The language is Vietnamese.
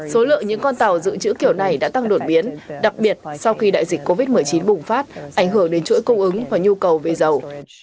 số lượng những con tàu dự trữ kiểu này đã tăng đột biến đặc biệt sau khi đại dịch covid một mươi chín bùng phát ảnh hưởng đến chuỗi cung ứng và nhu cầu về dầu